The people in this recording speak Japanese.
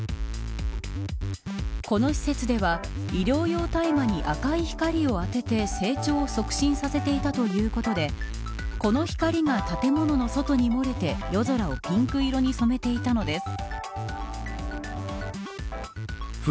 この施設では医療用大麻に赤い光を当てて成長を促進させていたということでこの光が建物の外に漏れて夜空をピンク色に染めていたのです。